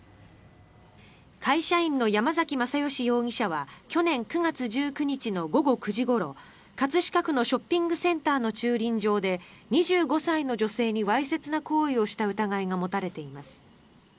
会社員の山崎正義容疑者は去年９月１９日の午後９時ごろ葛飾区のショッピングセンターの駐輪場で２５歳の女性にわいせつな行為をした疑いが持たれています。